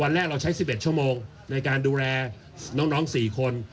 แรกเราใช้๑๑ชั่วโมงในการดูแลน้อง๔คน